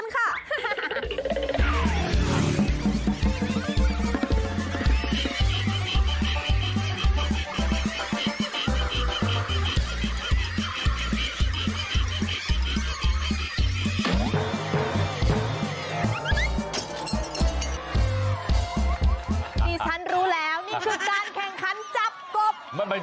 นี่ฉันรู้แล้วนี่คือการแข่งขันจับกบ